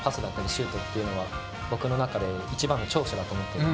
シュートっていうのは僕の中で一番の長所だと思ってて。